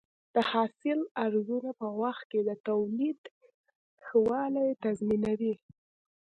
د حاصل ارزونه په وخت کې د تولید ښه والی تضمینوي.